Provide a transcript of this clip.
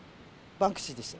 バンクシーでしょ。